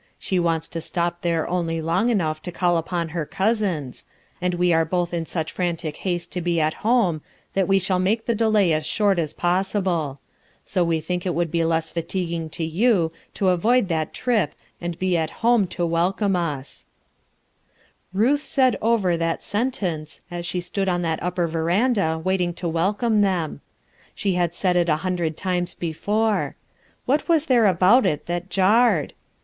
She wants to stop there only long enough to call upon her cousins; and we are both in such frantic haste to be at home that we shall make the delay as short as possible; so we think it would be less fatiguing to you to avoid that trip and be at home to welcome us/* Ruth Buniham said over that sentence as she stood on that upper veranda, waiting to SENTIMENT AND SACRIFICE 119 welcome them. Site had said it a hundred times before. What was there about it that jarred?